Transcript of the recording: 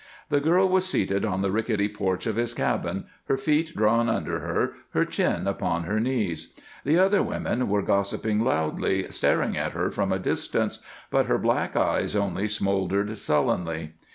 The girl was seated on the rickety porch of his cabin, her feet drawn under her, her chin upon her knees. The other women were gossiping loudly, staring at her from a distance, but her black eyes only smoldered sullenly.